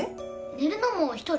寝るのも一人？